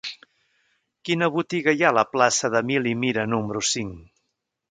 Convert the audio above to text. Quina botiga hi ha a la plaça d'Emili Mira número cinc?